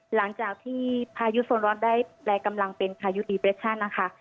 หลังจากที่พายุโซนร้อนได้แปลกำลังเป็นพายุดีเปรชั่นนะคะ